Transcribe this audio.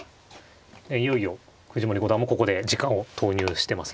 いよいよ藤森五段もここで時間を投入してますね。